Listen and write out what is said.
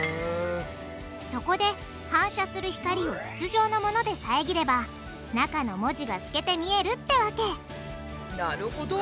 そこで反射する光を筒状のもので遮れば中の文字が透けて見えるってわけなるほど。